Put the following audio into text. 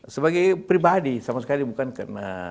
sebagai pribadi sama sekali bukan karena